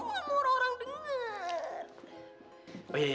gue gak mau orang orang denger